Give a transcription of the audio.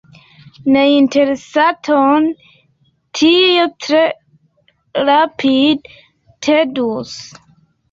Neinteresaton tio tre rapide tedus.